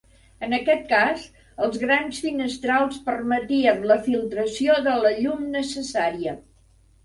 En aquest cas, els grans finestrals permetien la filtració de la llum necessària.